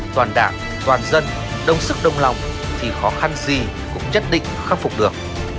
toàn đảng toàn dân đông sức đông lòng thì khó khăn gì cũng nhất định khắc phục được